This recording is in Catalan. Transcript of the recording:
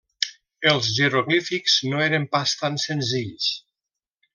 Els jeroglífics no eren pas tan senzills.